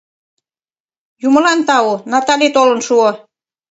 Юмылан тау, Натали толын шуо.